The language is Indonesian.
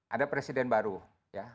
ada presiden baru ya